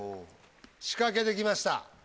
仕掛けてきました。